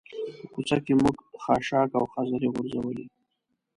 په کوڅه کې موږ خاشاک او خځلې غورځولي.